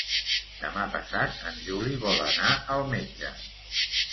Demà passat en Juli vol anar al metge.